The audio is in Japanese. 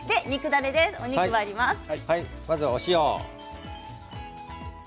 まずはお塩。